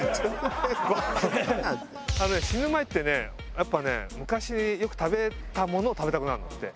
あのね死ぬ前ってねやっぱね昔よく食べたものを食べたくなるんだって。